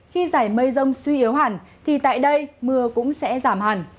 khi giải mây rông suy yếu hẳn thì tại đây mưa cũng sẽ giảm hẳn